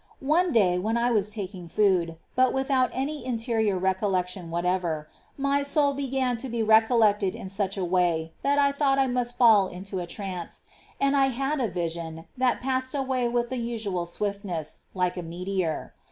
One day, when I was taking food, but without any interior recollection whatever, my soul began to be recollected in such a way that I thought I must fall into a trance ; and I had a vision, that passed away with the usual swiftness, like a meteor.